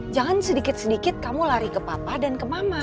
jangan sedikit sedikit kamu lari ke papa dan ke mama